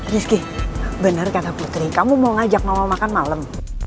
rizky benar kata putri kamu mau ngajak mama makan malam